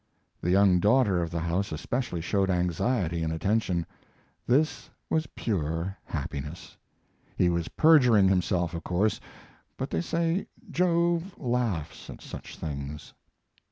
The young daughter of the house especially showed anxiety and attention. This was pure happiness. He was perjuring himself, of course, but they say Jove laughs at such things.